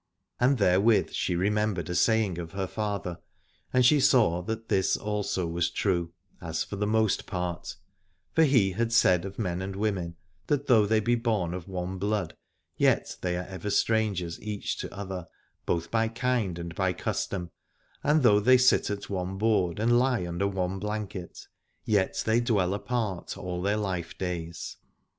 And there with she remembered a saying of her father, and she saw that this also was true, as for the most part : for he said of men and women that though they be born of one blood yet they are ever strangers each to other, both by kind and by custom, and though they sit at one board and lie under one blanket, yet they dwell apart all their life days.